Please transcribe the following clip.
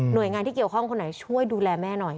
โดยงานที่เกี่ยวข้องคนไหนช่วยดูแลแม่หน่อย